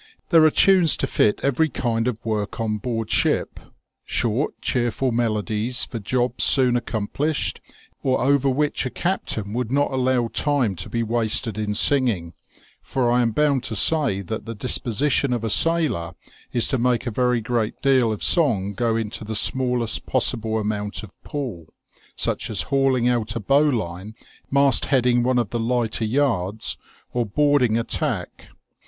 There are tunes to fit every kind of work on board ship ; short cheerful melodies for jobs soon accom plished or over which a captain would not allow time to be wasted in singing (for I am bound to say that the disposition of a sailor is to make a very great deal of song go to the smallest possible amount of pull), such as hauling out a bowline, mastheading one of the lighter yards, or boarding a tack.